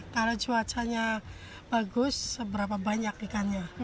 kalau cuacanya bagus seberapa banyak ikannya